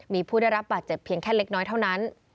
มีผู้ได้รับบาดเจ็บเพียงแค่เล็กน้อยเท่านั้น